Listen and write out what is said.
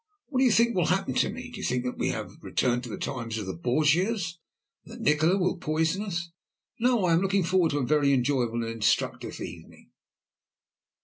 What do you think will happen to me? Do you think that we have returned to the times of the Borgias, and that Nikola will poison us? No, I am looking forward to a very enjoyable and instructive evening."